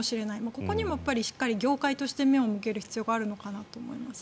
ここについても業界が目を向ける必要があるのかなと思います。